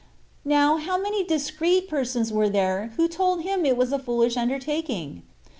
Now, how many discreet persons were there who told him it was a foolish undertaking?